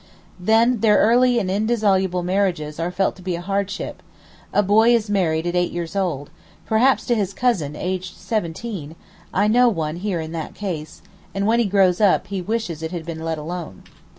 Then their early and indissoluble marriages are felt to be a hardship: a boy is married at eight years old, perhaps to his cousin aged seventeen (I know one here in that case), and when he grows up he wishes it had been let alone.